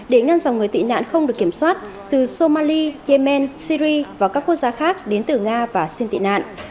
để ngăn dòng người tị nạn không được kiểm soát từ somali yemen syri và các quốc gia khác đến từ nga và xin tị nạn